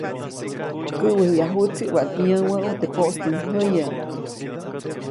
Käʼwejyajuʼtsi waʼat yä̃wäʼu teʼ poʼstinjäyäʼajy.